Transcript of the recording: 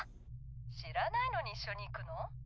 知らないのに一緒に行くの？